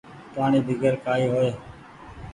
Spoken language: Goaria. پآڻيٚ بيگر ڪآئي هوئي ۔